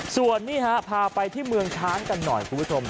ส่วนนี้ฮะพาไปที่เมืองช้างกันหน่อยคุณผู้ชม